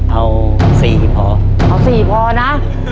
เอาสี่พอเอาสี่พอนะ